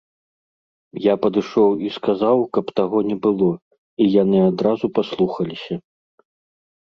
Я падышоў і сказаў, каб таго не было, і яны адразу паслухаліся.